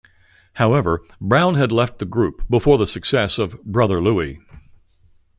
However, Brown had left the group before the success of "Brother Louie".